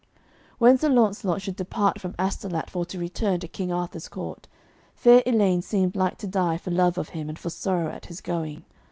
When Sir Launcelot should depart from Astolat for to return to King Arthur's court, fair Elaine seemed like to die for love of him and for sorrow at his going.